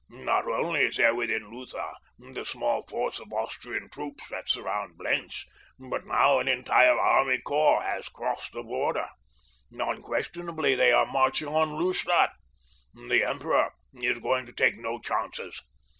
Not only is there within Lutha the small force of Austrian troops that surround Blentz, but now an entire army corps has crossed the border. Unquestionably they are marching on Lustadt. The emperor is going to take no chances.